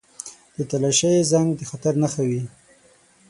• د تالاشۍ زنګ د خطر نښه وي.